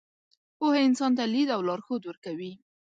پوهه انسان ته لید او لارښود ورکوي.